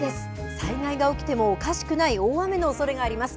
災害が起きてもおかしくない大雨のおそれがあります。